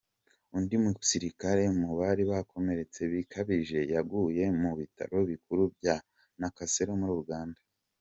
Undi musirikare mu bari bakomeretse bikabije, yaguye mu bitaro bikuru bya Nakasero muri Uganda.